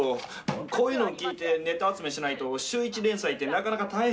こういうのを聞いてネタ集めしないと週１連載ってなかなか大変で。